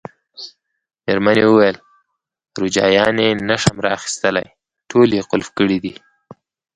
مېرمنې وویل: روجایانې نه شم را اخیستلای، ټولې یې قلف کړي دي.